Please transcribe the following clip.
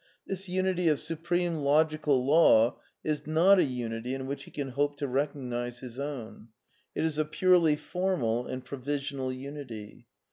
This unity of supreme logical law is not a unity in which he can hope to recognize his own. It is a purely v ^ formal and provisional unity.